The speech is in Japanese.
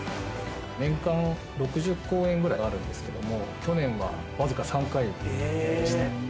年間６０公演ぐらいあるんですけれども、去年は僅か３回でした。